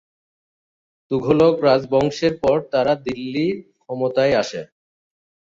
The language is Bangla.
তুঘলক রাজবংশের পর তারা দিল্লির ক্ষমতায় আসে।